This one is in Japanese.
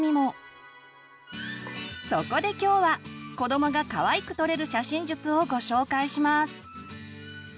そこで今日は子どもがかわいく撮れる写真術をご紹介します！